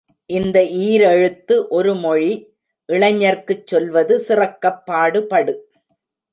இந்த ஈரெழுத்து ஒரு மொழி, இளைஞர்க்குச் சொல்வது சிறக்கப் பாடு படு!